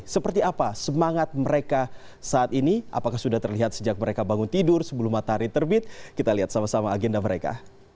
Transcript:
seperti apa semangat mereka saat ini apakah sudah terlihat sejak mereka bangun tidur sebelum matahari terbit kita lihat sama sama agenda mereka